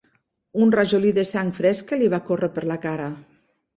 Un rajolí de sang fresca li va córrer per la cara.